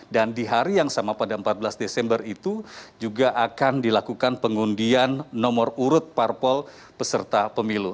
dan di hari yang sama pada empat belas desember itu juga akan dilakukan pengundian nomor urut parpol peserta pemilu